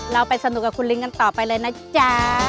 เราไปสนุกกับคุณลิงกันต่อไปเลยนะจ๊ะ